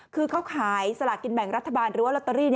คือเขาขายสลากกินแบ่งรัฐบาลหรือว่าลอตเตอรี่